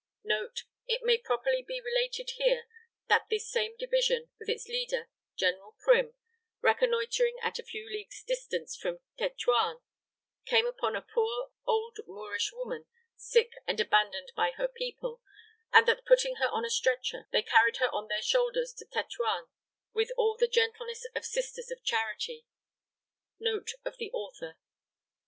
[Note: It may properly be related here that this same division, with its leader, General Prim, reconnoitring at a few leagues distance from Tetuan, came upon a poor old Moorish woman, sick and abandoned by her people; and that putting her on a stretcher, they carried her on their shoulders to Tetuan with all the gentleness of sisters of charity. (Note of the Author.)